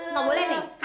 gak boleh nih